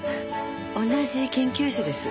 同じ研究者です。